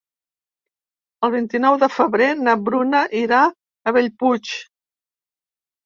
El vint-i-nou de febrer na Bruna irà a Bellpuig.